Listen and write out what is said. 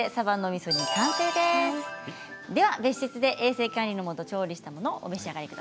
では別室で衛生管理のもと調理したものをお召し上がりくだ